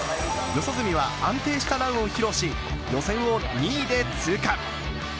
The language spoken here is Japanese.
四十住は安定したランを披露し、予選を２位で通過。